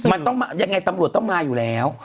มันต้องมายังไงตำรวจต้องมาอยู่แล้ว